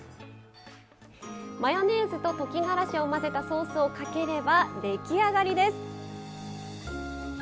マヨネーズと溶きがらしを混ぜたソースをかければ出来上がりです。